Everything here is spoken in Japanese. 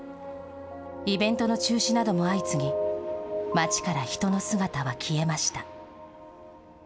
イベントの中止なども相次ぎ、街から人の姿は消えました。